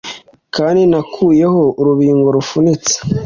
Kandi nakuyeho urubingo rufunitse,